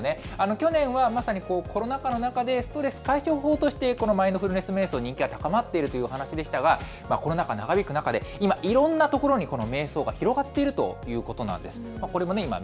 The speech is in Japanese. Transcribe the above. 去年はまさにコロナ禍の中で、ストレス解消法として、このマインドフルネスめい想、人気が高まっているという話でしたが、コロナ禍長引く中で、今、いろんな所で、このめい想が広がっているということなんです。